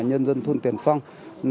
nhân dân thôn tiền phong